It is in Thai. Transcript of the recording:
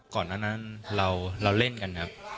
ก่อนนั้นเราเล่นกันครับ